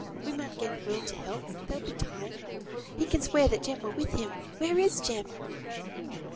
We mun get Will to help; there'll be time. He can swear that Jem were with him. Where is Jem?"